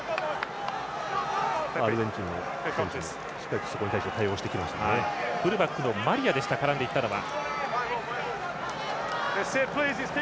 アルゼンチンの選手がしっかりそこに対してフルバックのマリアでした絡んでいったのは。